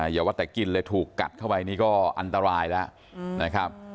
อย่าว่าแต่กินเลยถูกกัดเข้าไปนี่ก็อันตรายแล้วนะครับ